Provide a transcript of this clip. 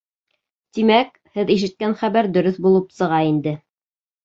Тимәк, һеҙ ишеткән хәбәр дөрөҫ булып сыға инде.